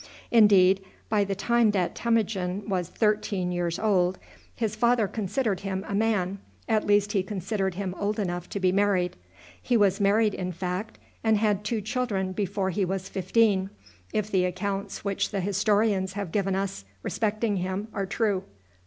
Indeed, by the time that Temujin was thirteen years old, his father considered him a man at least he considered him old enough to be married. He was married, in fact, and had two children before he was fifteen, if the accounts which the historians have given us respecting him are true.